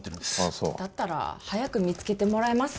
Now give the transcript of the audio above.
そうだったら早く見つけてくれます？